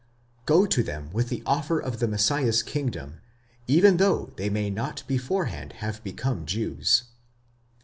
go to them with the offer of the Messiah's kingdom, even though they may not beforehand have become Jews.